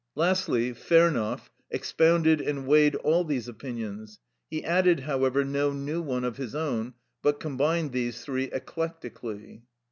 Lastly, Fernow ("Römische Studien," vol. i. p. 246) expounded and weighed all these opinions; he added, however, no new one of his own, but combined these three eclectically.